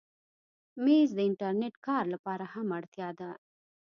مېز د انټرنېټ کار لپاره هم اړتیا ده.